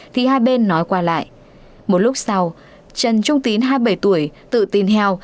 thì hai bên nói qua lại một lúc sau trần trung tín hai mươi bảy tuổi tự tin heo